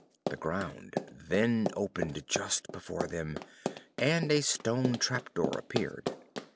The ground then opened just before them, and a stone trap door appeared.